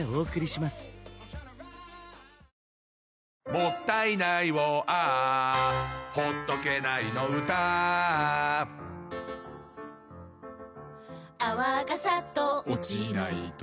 「もったいないをＡｈ」「ほっとけないの唄Ａｈ」「泡がサッと落ちないと」